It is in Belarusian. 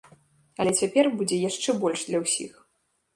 Але цяпер будзе яшчэ больш для ўсіх.